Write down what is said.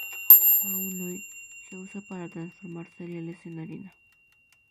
Aún hoy se usa para transformar cereales en harina.